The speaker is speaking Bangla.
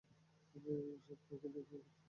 এই সব বাইক দিয়ে তারা কি করে?